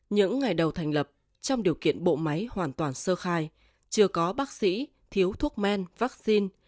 những ngày đầu thành lập trong điều kiện bộ máy hoàn toàn sơ khai chưa có bác sĩ thiếu thuốc men vaccine